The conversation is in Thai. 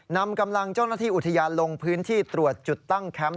นำกำลังเจ้าหน้าที่อุทยานลงพื้นที่ตรวจจุดตั้งแคมป์